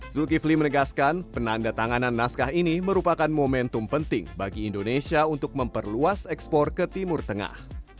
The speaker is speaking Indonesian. zulkifli menegaskan penanda tanganan naskah ini merupakan momentum penting bagi indonesia untuk memperluas ekspor ke timur tengah